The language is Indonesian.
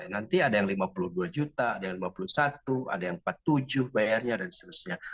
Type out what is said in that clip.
nanti ada yang lima puluh dua juta ada yang lima puluh satu ada yang rp empat puluh tujuh bayarnya dan seterusnya